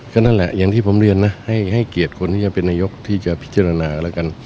ก็นั่นแหละอย่างที่ผมเรียนนะให้เกียรติคนที่จะเป็นนายกที่จะพิจารณาแล้วกัน